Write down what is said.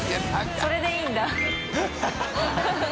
それでいいんだ。